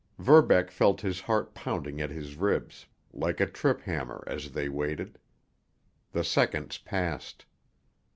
Verbeck felt his heart pounding at his ribs like a trip hammer as they waited. The seconds passed.